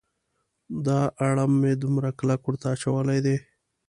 دا اړم مې دومره کلک ورته اچولی دی.